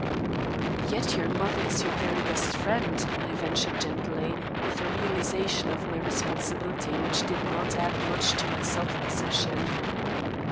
"Yet your mother is your very best friend," I ventured gently, with a realisation of my responsibility which did not add much to my self possession.